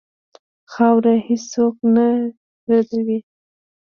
خاوره هېڅ څوک نه ردوي.